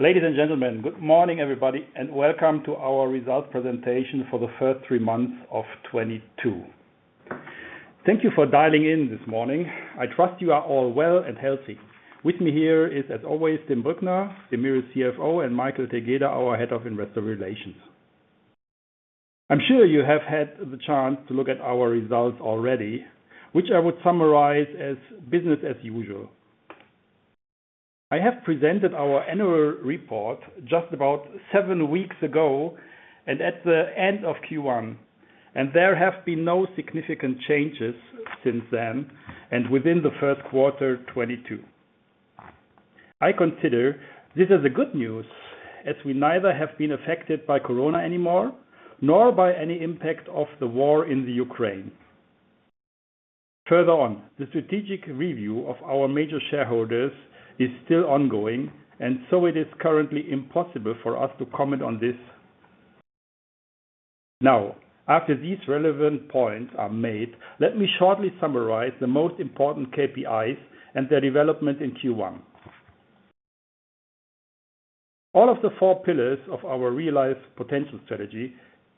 Ladies and gentlemen, good morning, everybody, and welcome to our results presentation for the first three months of 2022. Thank you for dialing in this morning. I trust you are all well and healthy. With me here is, as always, Tim Brückner, the DEMIRE CFO, and Michael Tegeder, our Head of Investor Relations. I'm sure you have had the chance to look at our results already, which I would summarize as business as usual. I have presented our annual report just about seven weeks ago and at the end of Q1, and there have been no significant changes since then and within the first quarter 2022. I consider this is a good news, as we neither have been affected by Corona anymore, nor by any impact of the war in the Ukraine. Further on, the strategic review of our major shareholders is still ongoing, and so it is currently impossible for us to comment on this. Now, after these relevant points are made, let me shortly summarize the most important KPIs and their development in Q1. All of the four pillars of our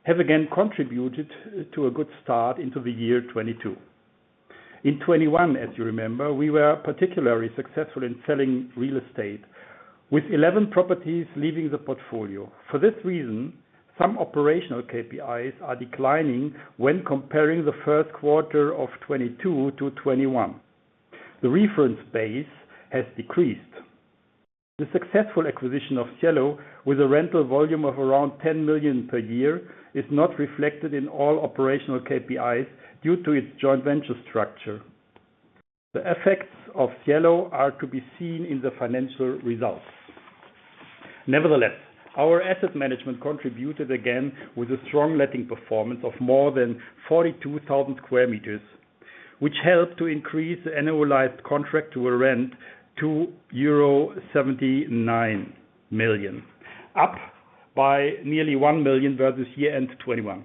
have again contributed to a good start into the year 2022. In 2021, as you remember, we were particularly successful in selling real estate, with 11 properties leaving the portfolio. For this reason, some operational KPIs are declining when comparing the first quarter of 2022 to 2021. The reference base has decreased. The successful acquisition of Cielo, with a rental volume of around 10 million per year, is not reflected in all operational KPIs due to its joint venture structure. The effects of Cielo are to be seen in the financial results. Nevertheless, our asset management contributed again with a strong letting performance of more than 42,000 square meters, which helped to increase the annualized contractual rent to euro 79 million, up by nearly 1 million versus year-end 2021.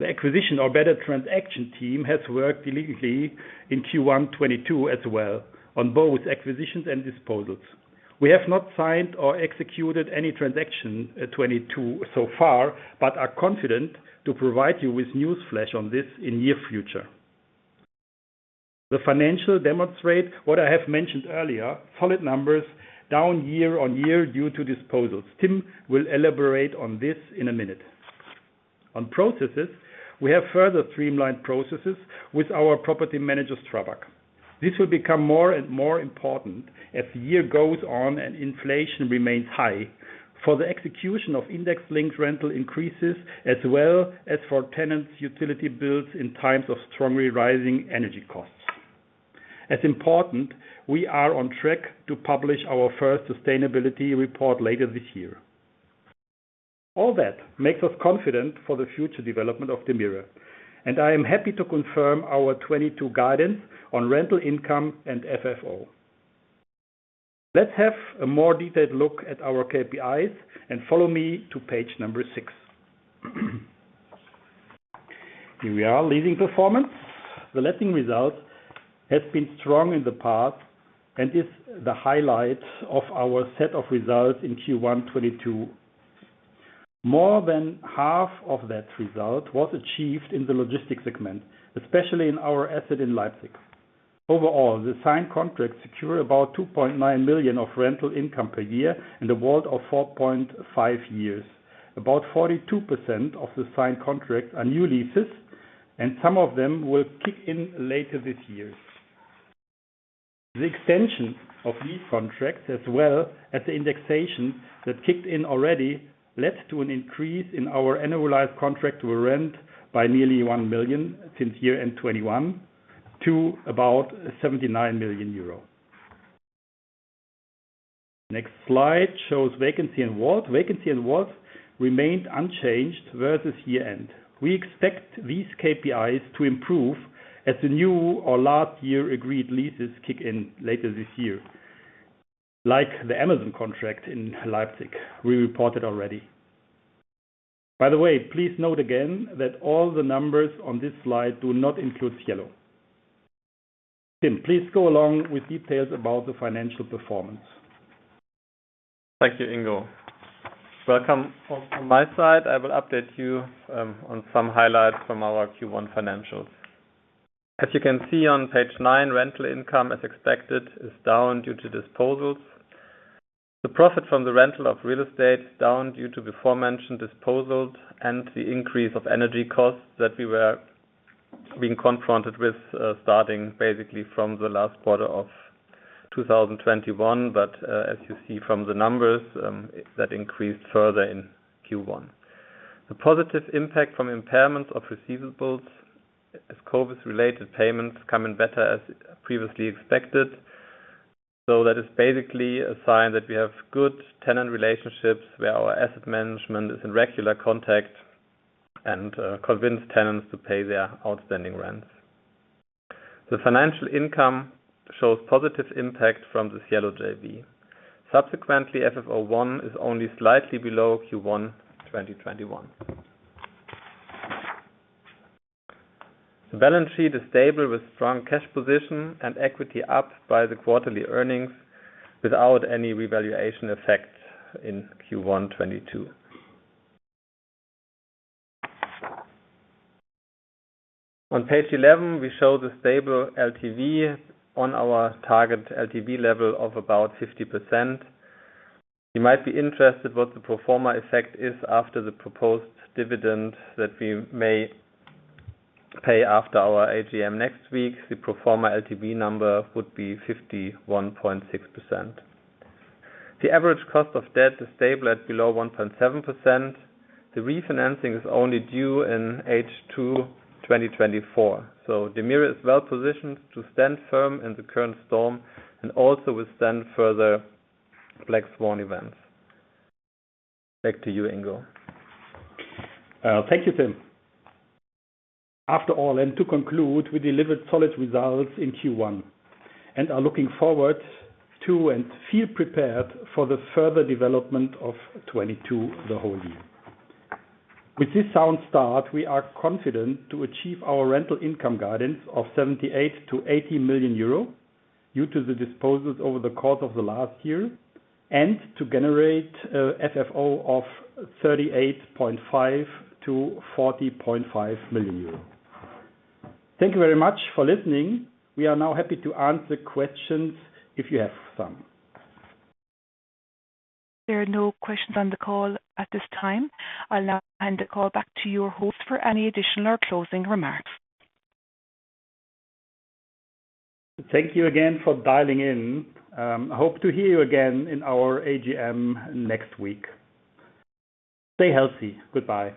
The acquisition, or better, transaction team has worked diligently in Q1 2022 as well on both acquisitions and disposals. We have not signed or executed any transaction in 2022 so far, but are confident to provide you with news flash on this in near future. The financials demonstrate what I have mentioned earlier, solid numbers down year-on-year due to disposals. Tim will elaborate on this in a minute. On processes, we have further streamlined processes with our property manager, STRABAG. This will become more and more important as the year goes on and inflation remains high for the execution of index linked rental increases as well as for tenants utility bills in times of strongly rising energy costs. As important, we are on track to publish our first sustainability report later this year. All that makes us confident for the future development of DEMIRE, and I am happy to confirm our 2022 guidance on rental income and FFO. Let's have a more detailed look at our KPIs and follow me to page number six. Here we are. Leading performance. The letting result has been strong in the past and is the highlight of our set of results in Q1 2022. More than half of that result was achieved in the logistics segment, especially in our asset in Leipzig. Overall, the signed contracts secure about 2.9 million of rental income per year in the world of 4.5 years. About 42% of the signed contracts are new leases, and some of them will kick in later this year. The extension of lease contracts as well as the indexation that kicked in already led to an increase in our annualized contracted rent by nearly 1 million since year-end 2021 to about 79 million euro. Next slide shows vacancy and WALT. Vacancy and WALT remained unchanged versus year-end. We expect these KPIs to improve as the new or last year agreed leases kick in later this year, like the Amazon contract in Leipzig we reported already. By the way, please note again that all the numbers on this slide do not include Cielo. Tim, please go ahead with details about the financial performance. Thank you, Ingo. Welcome. From my side, I will update you on some highlights from our Q1 financials. As you can see on page 9, rental income, as expected, is down due to disposals. The profit from the rental of real estate down due to before mentioned disposals and the increase of energy costs that we were being confronted with starting basically from the last quarter of 2021. As you see from the numbers, that increased further in Q1. The positive impact from impairment of receivables as COVID related payments come in better as previously expected. That is basically a sign that we have good tenant relationships where our asset management is in regular contact and convince tenants to pay their outstanding rents. The financial income shows positive impact from the Cielo JV. Subsequently, FFO I is only slightly below Q1 2021. The balance sheet is stable with strong cash position and equity up by the quarterly earnings without any revaluation effect in Q1 2022. On page 11, we show the stable LTV on our target LTV level of about 50%. You might be interested what the pro forma effect is after the proposed dividend that we may pay after our AGM next week. The pro forma LTV number would be 51.6%. The average cost of debt is stable at below 1.7%. The refinancing is only due in H2 2024. DEMIRE is well positioned to stand firm in the current storm and also withstand further Black Swan events. Back to you, Ingo. Thank you, Tim. After all, and to conclude, we delivered solid results in Q1 and are looking forward to and feel prepared for the further development of 2022 the whole year. With this sound start, we are confident to achieve our rental income guidance of 78 million-80 million euro due to the disposals over the course of the last year and to generate FFO of 38.5 million-40.5 million euro. Thank you very much for listening. We are now happy to answer questions if you have some. There are no questions on the call at this time. I'll now hand the call back to your host for any additional or closing remarks. Thank you again for dialing in. I hope to hear you again in our AGM next week. Stay healthy. Goodbye.